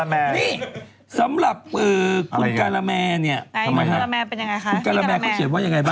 นี่สำหรับคุณกาลาแมร์เนี่ย